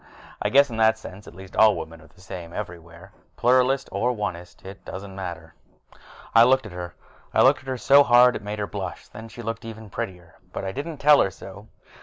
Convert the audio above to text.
I guess in that sense at least, women are the same everywhere Pluralist or Onist, it doesn't matter. I looked at her. I looked at her so hard that it made her blush, and then she looked even prettier. But I didn't tell her so.